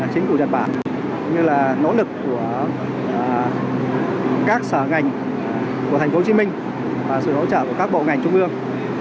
chính phủ nhật bản cũng như là nỗ lực của các sở ngành của thành phố hồ chí minh và sự hỗ trợ của các bộ ngành trung ương